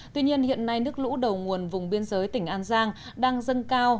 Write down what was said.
tuy nhiên hiện nay nước lũ đầu nguồn vùng biên giới tỉnh an giang đang dâng cao